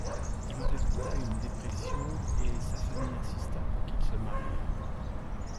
Il en résulta une dépression et sa famille insista pour qu'il se mariât.